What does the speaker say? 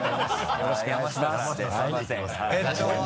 よろしくお願いします。